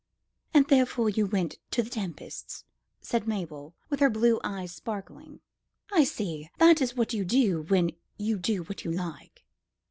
"And therefore you went to the Tempests'," said Mabel, with her blue eyes sparkling. "I see. That is what you do when you do what you like."